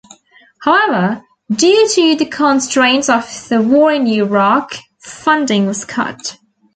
However, due to the constraints of the war in Iraq, funding was cut.